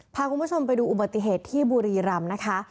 พาคุณผู้ชมไปดูอุบัติเหตุที่บุรีรำนะคะ